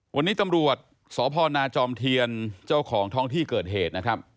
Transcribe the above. วันนี้ตำรวจสพนาจอมเทียนเจ้าของท้องที่เกิดเหตุนะครับ